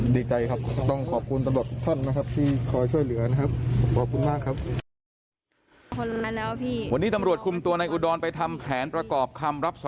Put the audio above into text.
ดีใจครับต้องขอบคุณตลอดทุกท่อนนะครับ